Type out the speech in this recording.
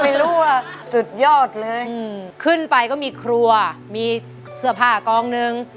ไม่รู้ว่าสุดยอดเลยขึ้นไปก็มีครัวมีเสื้อผ้ากองหนึ่ง